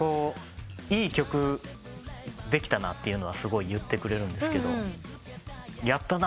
いい曲できたなっていうのはすごい言ってくれるんですけど「やったな」